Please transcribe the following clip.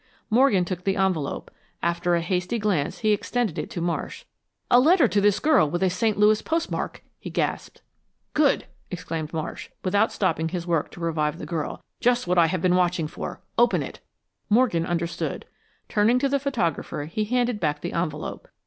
Morgan took the envelope. After a hasty glance he extended it to Marsh. "A letter to this girl with a St. Louis postmark!" he gasped. "Good!" exclaimed Marsh, without stopping his work to revive the girl. "Just what I have been watching for. Open it." Morgan understood. Turning to the photographer, he handed back the envelope.